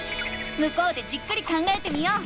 向こうでじっくり考えてみよう。